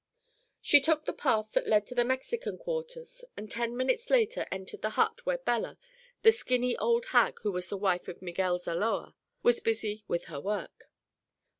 She took the path that led to the Mexican quarters and ten minutes later entered the hut where Bella, the skinny old hag who was the wife to Miguel Zaloa, was busy with her work.